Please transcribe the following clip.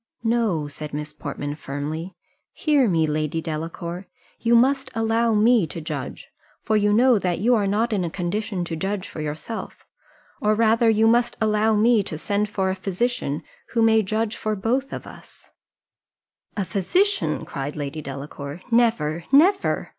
"No," said Miss Portman, firmly. "Hear me, Lady Delacour you must allow me to judge, for you know that you are not in a condition to judge for yourself, or rather you must allow me to send for a physician, who may judge for us both." "A physician!" cried Lady Delacour, "Never never.